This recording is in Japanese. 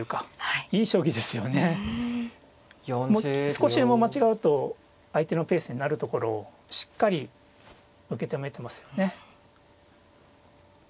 少しでも間違うと相手のペースになるところをしっかり受け止めてますよね。